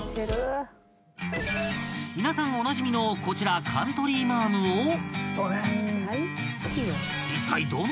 ［皆さんおなじみのこちらカントリーマアムを］